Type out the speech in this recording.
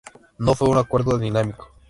No fue un acuerdo dinámico.